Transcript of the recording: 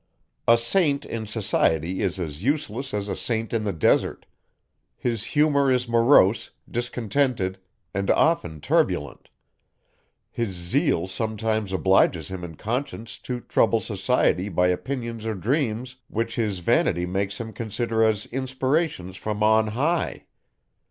A Saint in society is as useless, as a Saint in the desert; his humour is morose, discontented, and often turbulent; his zeal sometimes obliges him in conscience to trouble society by opinions or dreams, which his vanity makes him consider as inspirations from on high.